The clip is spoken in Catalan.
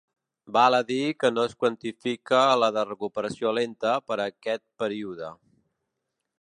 Val a dir que no quantifica la de recuperació lenta per a aquest període.